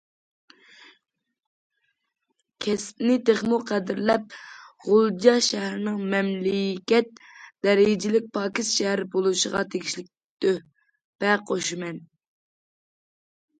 كەسىپنى تېخىمۇ قەدىرلەپ، غۇلجا شەھىرىنىڭ مەملىكەت دەرىجىلىك پاكىز شەھەر بولۇشىغا تېگىشلىك تۆھپە قوشىمەن.